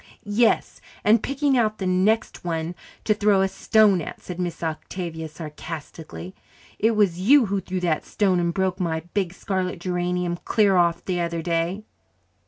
"Yes, and picking out the next one to throw a stone at," said Miss Octavia sarcastically. "It was you who threw that stone and broke my big scarlet geranium clear off the other day."